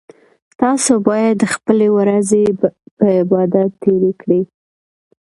تاسو باید خپلې ورځې په عبادت تیرې کړئ